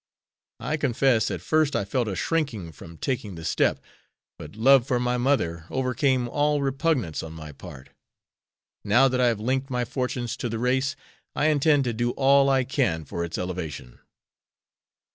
I confess at first I felt a shrinking from taking the step, but love for my mother overcame all repugnance on my part. Now that I have linked my fortunes to the race I intend to do all I can for its elevation."